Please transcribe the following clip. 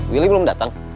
willy belum datang